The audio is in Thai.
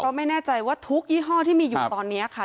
เพราะไม่แน่ใจว่าทุกยี่ห้อที่มีอยู่ตอนนี้ค่ะ